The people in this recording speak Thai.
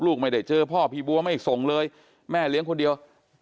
ลูกไม่ได้เจอพ่อพี่บัวไม่ส่งเลยแม่เลี้ยงคนเดียว